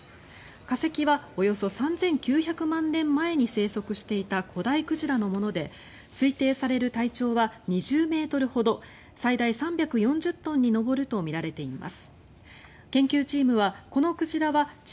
化石はおよそ３９００万年前に生息していた古代鯨のもので推定される体長は２０ｍほど最大３４０トンに上るとみられています。